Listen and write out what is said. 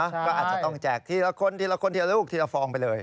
ก็อาจจะต้องแจกทีละคนทีละคนทีละลูกทีละฟองไปเลย